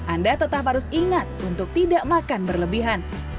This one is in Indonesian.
anda tetap harus ingat untuk tidak makan berlebihan